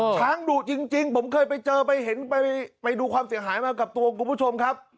ดุจริงผมเคยไปเจอไปเห็นไปดูความเสียหายมากับตัวคุณผู้ชมครับ